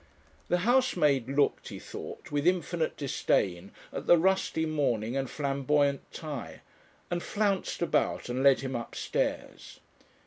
The housemaid looked, he thought, with infinite disdain at the rusty mourning and flamboyant tie, and flounced about and led him upstairs.